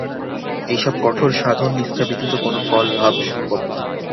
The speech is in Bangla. এই সব কঠোর সাধননিষ্ঠা ব্যতীত কোন ফল-লাভ সম্ভব নয়।